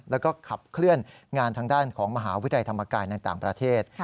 แล้วก็ขับเคลื่อนงานทางด้านของมหาวิทยาลัยธรรมกายในต่างประเทศ